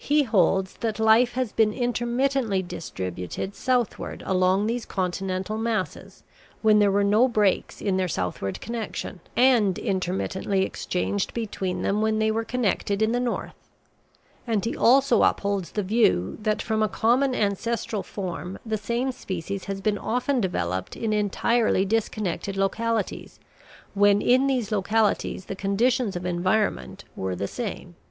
He holds that life has been intermittently distributed southward along these continental masses when there were no breaks in their southward connection, and intermittently exchanged between them when they were connected in the north; and he also upholds the view that from a common ancestral form the same species has been often developed in entirely disconnected localities when in these localities the conditions of environment were the same.